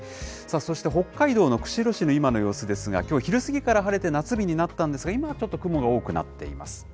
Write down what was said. そして北海道の釧路市の今の様子ですが、きょう昼過ぎから晴れて夏日になったんですが、今はちょっと雲が多くなっています。